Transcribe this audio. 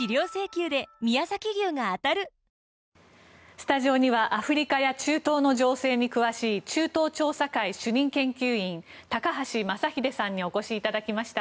スタジオにはアフリカや中東の情勢に詳しい中東調査会主任研究員高橋雅英さんにお越しいただきました。